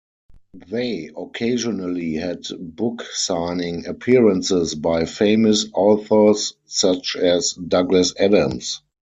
They occasionally had book signing appearances by famous authors such as Douglas Adams.